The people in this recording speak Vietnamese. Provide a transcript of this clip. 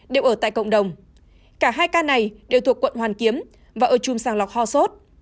đều ở tại cộng đồng cả hai ca này đều thuộc quận hoàn kiếm và ở chung sàng lọc ho sốt